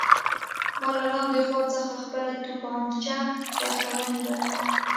ما له لاندې خوا څخه خپله توپانچه ورته ونیوله